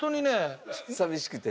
寂しくて？